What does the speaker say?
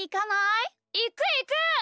いくいく！